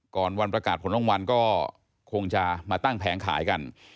ก่อนวันประกาศผลรางวัลก็คงจะมาตั้งแผงขายกัน